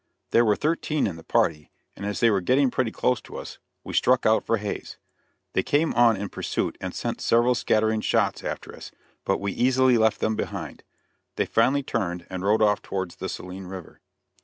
There were thirteen in the party, and as they were getting pretty close to us, we struck out for Hays. They came on in pursuit and sent several scattering shots after us, but we easily left them behind. They finally turned and rode off towards the Saline River.